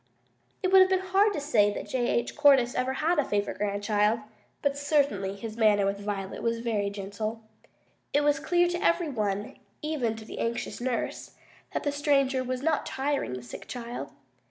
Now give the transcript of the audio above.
It would be hard to say that J. H. Cordyce ever had a favorite grandchild, but certainly his manner with Violet was very gentle. It was clear to every one, even to the anxious nurse, that the stranger was not tiring the sick child.